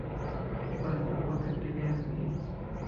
আমার ডীনের মেয়ে।